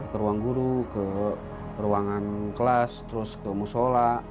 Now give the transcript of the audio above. ke ruang guru ke ruangan kelas terus ke musola